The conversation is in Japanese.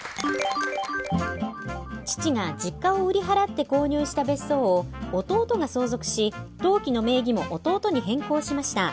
父が実家を売り払って購入した別荘を弟が相続し登記の名義も弟に変更しました。